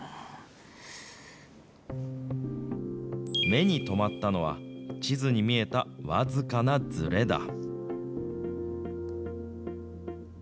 目に留まったのは、地図に見えた僅かなずれだ。